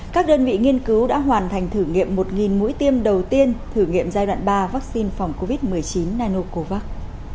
các đơn vị nghiên cứu đã hoàn thành thử nghiệm một mũi tiêm đầu tiên thử nghiệm giai đoạn ba vaccine phòng covid một mươi chín nanocovax